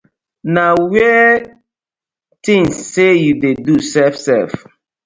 Na were yu tins sey yu dey do sef sef.